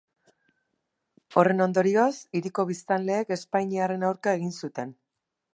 Horren ondorioz, hiriko biztanleek espainiarren aurka egin zuten.